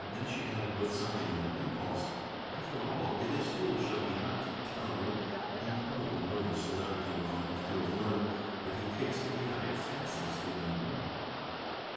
Then she added, with something of an impulse, "After all, it is foolish of me not to tell you. You probably know the Celebrity well enough to have learned that he takes idiotic fancies to young women."